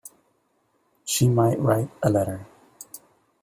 She might write a letter.